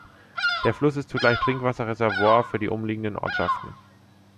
Der Fluss ist zugleich Trinkwasserreservoir für die umliegenden Ortschaften.